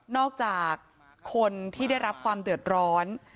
อกจากคนที่ได้รับความเดือดร้อน